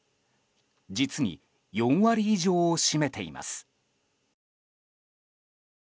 実に４割以上を占めています。